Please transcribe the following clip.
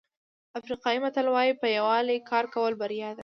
افریقایي متل وایي په یووالي کار کول بریا ده.